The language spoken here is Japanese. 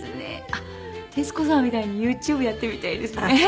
あっ徹子さんみたいにユーチューブやってみたいですね。